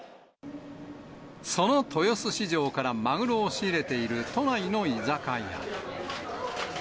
その豊洲市場からマグロを仕入れている都内の居酒屋。